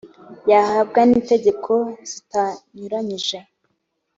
yahabwa n itegeko zitanyuranyije